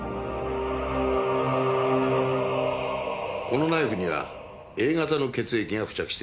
このナイフにはＡ型の血液が付着していた。